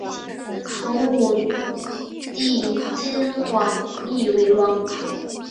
同母弟金晃立为王。